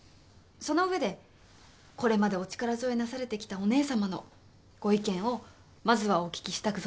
その上でこれまでお力添えなされてきたお義姉様のご意見をまずはお聞きしたく存じます。